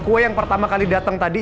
kue yang pertama kali datang tadi